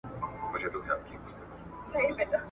ځواب ژر ورکول کېږي.